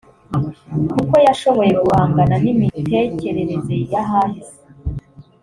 kuko yashoboye guhangana n’imitekerereze y’ahahise